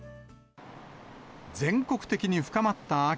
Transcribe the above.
全国的に深まった秋。